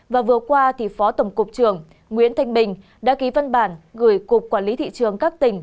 và vừa qua thì phó tổng cục trưởng nguyễn thanh bình đã ký văn bản gửi cục quản lý thị trường các tỉnh